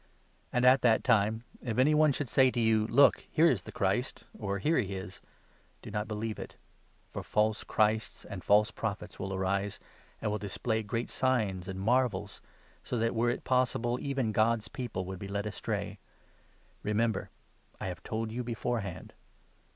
And, at that time, if 23 any one should say to you ' Look ! here is the Christ !' or ' Here he is !', do not believe it ; for false Christs and false Prophets will 24 arise, and will display great signs and marvels, so that, were it possible, even God's People would be led astray. Remember, 25 I have told you beforehand.